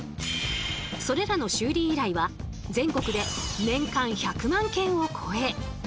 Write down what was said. それらの修理依頼は全国で年間１００万件を超え